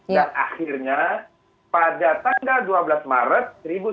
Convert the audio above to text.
dan akhirnya pada tanggal dua belas maret seribu sembilan ratus enam puluh tujuh